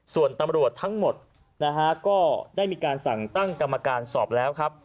ส่วนตำรวจทั้งหมดนะฮะก็ได้มีการสั่งตั้งกรรมการสอบแล้วครับ